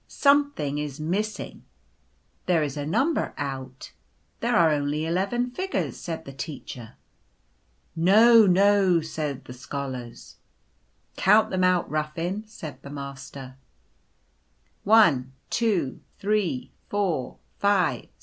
" Something is missing." " There • is a number out ; there are only eleven figures," said the Teacher. " No, no," said the Scholars. cc Count them out, Ruffin," said the Master. "1 2345689 10 11 12."